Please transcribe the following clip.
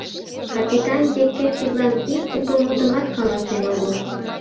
Капитан Деккер тидлан ик уто мутымат каласен огыл.